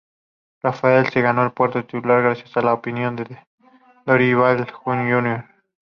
Rafael se ganó el puesto de titular gracias a la opción de Dorival Júnior.